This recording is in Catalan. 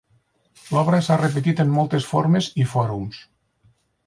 L'obra s'ha repetit en moltes formes i fòrums.